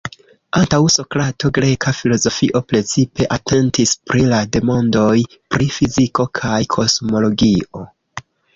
Antaŭ Sokrato, greka filozofio precipe atentis pri la demandoj pri fiziko kaj kosmologio.